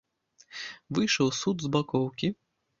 Выйшаў суд з бакоўкі.